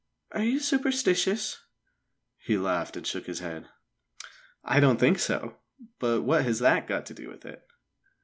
"Are you superstitious?" He laughed and shook his head. "I don't think so. But what has that got to do with it?"